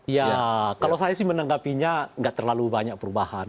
ya kalau saya sih menanggapinya nggak terlalu banyak perubahan